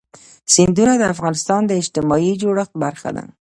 سیندونه د افغانستان د اجتماعي جوړښت برخه ده.